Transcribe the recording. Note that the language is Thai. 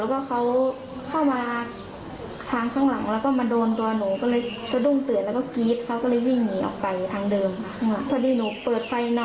ก็ไม่เท่าไหร่ค่ะแบบกระจายเป็นหวาน